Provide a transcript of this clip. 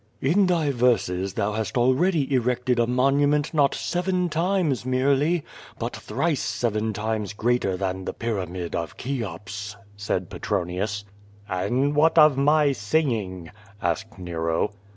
"In thy verses thou hast already erected a monument not seven times merely, but thrice seven times greater than the Pyramid of Cheops," said Petronius. "And what of my singing?" asked Nero.